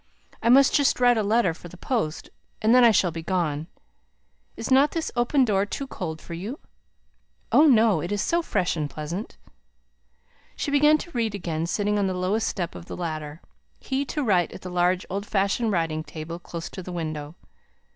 I must just write a letter for the post, and then I shall be gone. Is not this open door too cold for you?" "Oh, no. It is so fresh and pleasant." She began to read again, sitting on the lowest step of the ladder; he to write at the large old fashioned writing table close to the window.